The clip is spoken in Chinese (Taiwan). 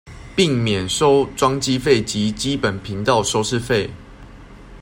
並免收裝機費及基本頻道收視費